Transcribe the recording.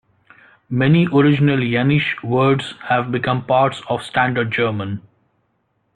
Many original Yeniche words have become parts of standard German.